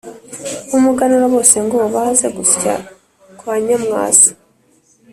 b’umuganura bose ngo baze gusya kwa Nyamwasa